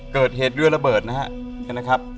เกิดเหตุเรือระเบิดนะครับ